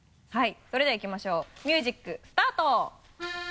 それではいきましょうミュージックスタート。